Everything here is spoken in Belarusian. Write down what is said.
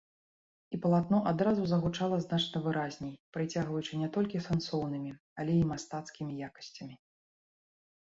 І палатно адразу загучала значна выразней, прыцягваючы не толькі сэнсоўнымі, але і мастацкімі якасцямі.